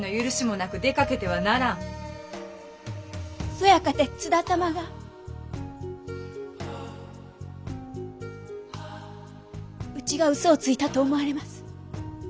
そやかて津田様が。うちがうそをついたと思われます。